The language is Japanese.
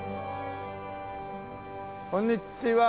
こんにちは。